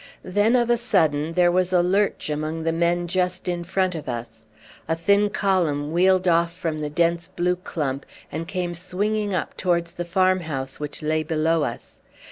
Then, of a sudden, there was a lurch among the men just in front of us; a thin column wheeled off from the dense blue clump, and came swinging up towards the farm house which lay below us.